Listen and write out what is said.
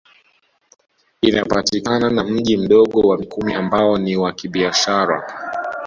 Inapakana na mji Mdogo wa Mikumi ambao ni wa kibiashara